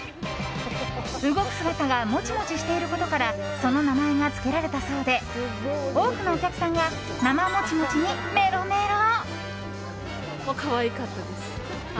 動く姿がもちもちしていることからその名前が付けられたそうで多くのお客さんが生もちもちにメロメロ！